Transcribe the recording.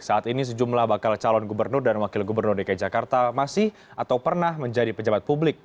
saat ini sejumlah bakal calon gubernur dan wakil gubernur dki jakarta masih atau pernah menjadi pejabat publik